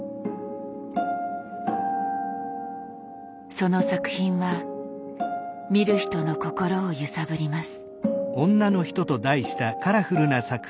その作品は見る人の心を揺さぶります。